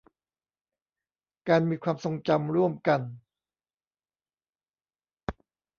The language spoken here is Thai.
การมีความทรงจำร่วมกัน